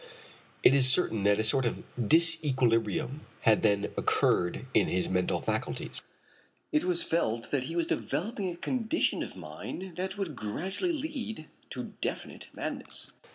It is certain that a sort of disequilibrium had then occurred in his mental faculties. It was felt that he was developing a condition of mind that would gradually lead to definite madness.